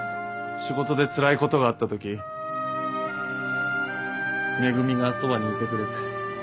仕事で辛いことがあったときめぐみがそばにいてくれて。